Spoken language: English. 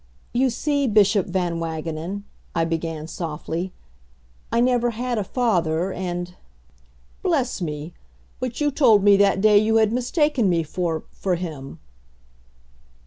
"You see, Bishop Van Wagenen," I began softly, "I never had a father and " "Bless me! But you told me that day you had mistaken me for for him."